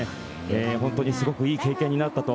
本当にすごくいい経験になったと。